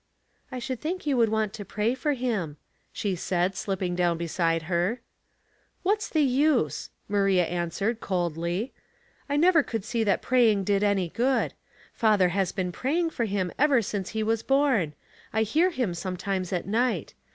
" I should think you would want to pray for him,'" she said, slipping down beside her. " What*s the use ?" Maria answered, coldly. I never could see that praying did any good. Father has been praying for him ever since he was born. I hear him sometimes at night.